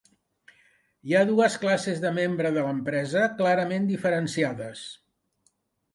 Hi ha dues classes de membre de l'empresa clarament diferenciades.